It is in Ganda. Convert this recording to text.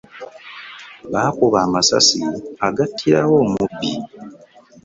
Baakuba amasasi agattirawo omubbi.